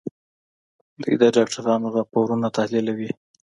دوی د ډاکټرانو راپورونه تحليلوي.